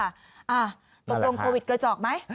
อ่าตกลงโควิดกระจอกไหม